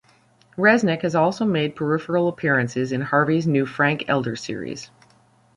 Resnick has also made peripheral appearances in Harvey's new Frank Elder series.